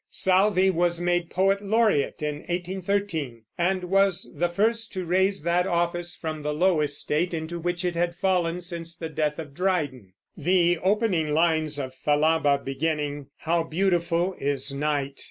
Southey was made Poet Laureate in 1813, and was the first to raise that office from the low estate into which it had fallen since the death of Dryden. The opening lines of Thalaba, beginning, How beautiful is night!